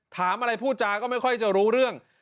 ถามอะไรพูดจาก็ไม่ค่อยจะรู้เรื่อง